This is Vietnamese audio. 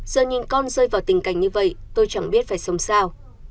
giờ nhìn con rơi vào tình cảnh như vậy tôi chẳng biết phải sống sao